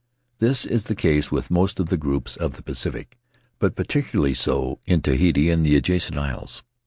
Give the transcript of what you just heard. This is the case with most of the groups of the Pacific, but peculiarly so in Tahiti and the adjacent isles.